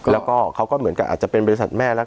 แล้วก็เขาก็เหมือนกับอาจจะเป็นบริษัทแม่แล้ว